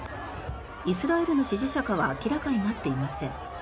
イスラエルの支持者かは明らかになっていません。